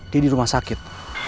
dia di rumah sakit